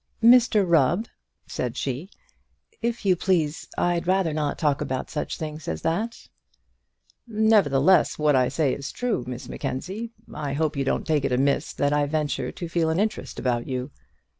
"Mr Rubb," said she, "if you please, I'd rather not talk about such things as that." "Nevertheless, what I say is true, Miss Mackenzie; I hope you don't take it amiss that I venture to feel an interest about you."